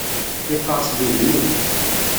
Yeqqers-d igenni.